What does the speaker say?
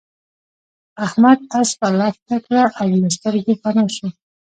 احمد اسپه لښته کړه او له سترګو پنا شو.